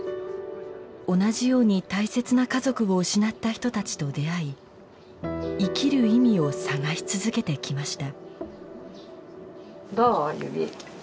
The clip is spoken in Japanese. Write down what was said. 同じように大切な家族を失った人たちと出会い生きる意味を探し続けてきました。